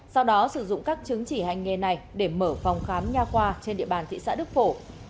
sau đó sử dụng các chứng chỉ hành nghề này để mở phòng khám nhà khoa trên địa bàn thị xã đức phổ